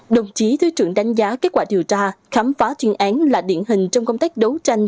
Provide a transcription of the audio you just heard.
đồng chí thứ trưởng đánh giá kết quả điều tra khám phá chuyên án là điển hình trong công tác đấu tranh